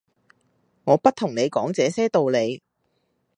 「我不同你講這些道理；